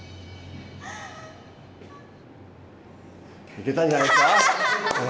いけたんじゃないですか。